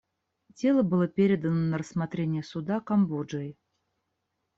Дело было передано на рассмотрение Суда Камбоджей.